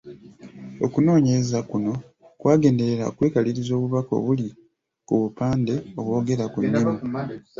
Okunoonyereza kuno kwagenderera okwekaliriza obubaka obuli ku bupande obwogera ku nnimi.